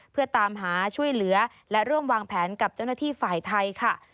เพื่อตามหาช่วยเหลือและร่วมวางแผนกับเจ้าหน้าที่ฝ่ายไทยค่ะ